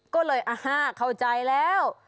ก็เลยอ่าฮ่าเข้าใจแล้ว